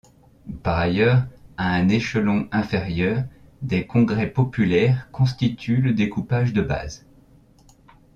Par ailleurs, à un échelon inférieur, des congrès populaires constituent le découpage de base.